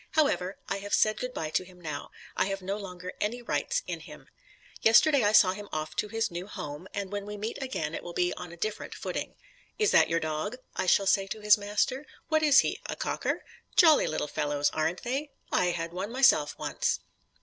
However, I have said good bye to him now; I have no longer any rights in him. Yesterday I saw him off to his new home, and when we meet again it will be on a different footing. "Is that your dog?" I shall say to his master. "What is he? A Cocker? Jolly little fellows, aren't they? I had one myself once."